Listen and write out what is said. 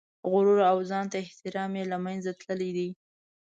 غرور او ځان ته احترام یې له منځه تللي دي.